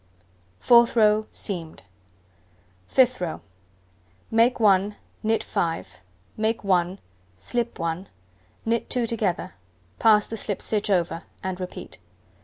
Fourth row: Seamed. Fifth row: Make 1, knit 5, make 1, slip 1, knit 2 together, pass the slipped stitch over, and repeat.